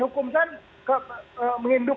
hukum kan menginduk